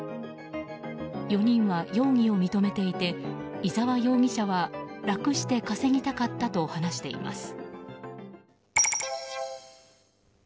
４人は容疑を認めていて居沢容疑者は楽して稼ぎたかったと話しています。